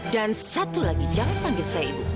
satu lagi jangan panggil saya ibu